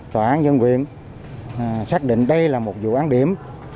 tòa án nhân quyền xác định đây là một vụ án điểm